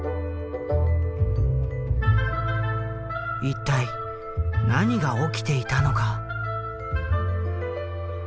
一体何が起きていたのか？